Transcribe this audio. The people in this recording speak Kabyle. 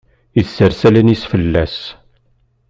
Isers allen-is fell-as.